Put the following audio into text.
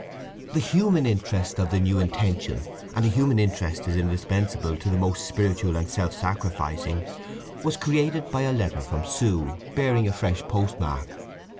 The human interest of the new intention—and a human interest is indispensable to the most spiritual and self sacrificing—was created by a letter from Sue, bearing a fresh postmark.